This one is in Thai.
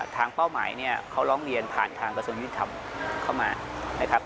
ทางเป้าหมายเขาร้องเรียนผ่านทางกระทรวงยุทธรรมเข้ามา